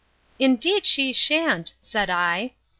—Indeed she shan't, said I.